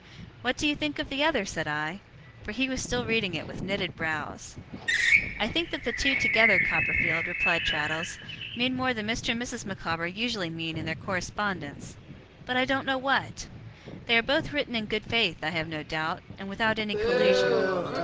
'What do you think of the other?' said I. For he was still reading it with knitted brows. 'I think that the two together, Copperfield,' replied Traddles, 'mean more than Mr. and Mrs. Micawber usually mean in their correspondence but I don't know what. They are both written in good faith, I have no doubt, and without any collusion.